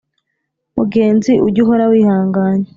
Mugenzi ujy’ uhora wihanganye